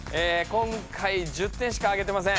今回１０点しかあげてません。